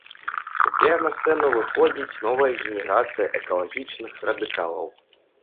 Цяпер на сцэну выходзіць новая генерацыя экалагічных радыкалаў.